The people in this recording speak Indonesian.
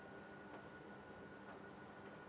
ya bahwa di indonesia